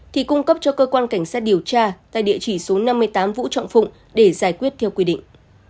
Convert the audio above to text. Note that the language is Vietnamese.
thì cung cấp cho cơ quan cảnh sát điều tra tại địa chỉ số năm mươi tám vũ trọng phụng để giải quyết theo quy định